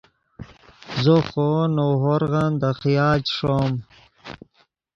زو خوو نؤ ہورغن دے خیال چے ݰوم